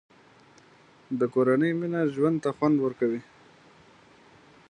د کورنۍ مینه ژوند ته خوند ورکوي.